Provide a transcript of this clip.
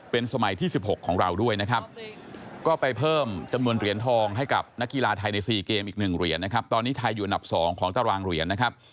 เป็นสมัยสิบหกของเราด้วย